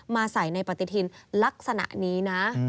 ใส่ในปฏิทินลักษณะนี้นะ